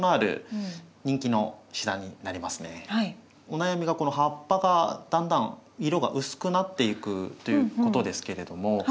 お悩みがこの葉っぱがだんだん色が薄くなっていくということですけれども。